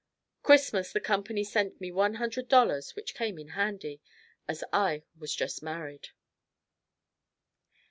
Christmas the company sent me one hundred dollars which came in handy, as I was just married.